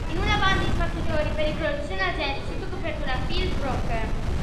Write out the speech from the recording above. In una banda di spacciatori pericolosi c'è un agente sotto copertura, Phil Broker.